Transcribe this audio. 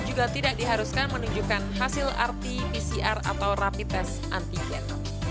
juga tidak diharuskan menunjukkan hasil rt pcr atau rapi tes antigen